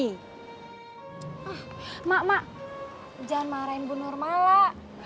ah mak mak jangan marahin bu nur mala